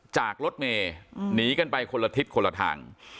จากรถเมย์หนีกันไปคนละทิศคนละทาง